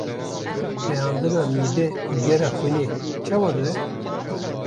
mehandina mîdê û gera xwînê çawa dibe?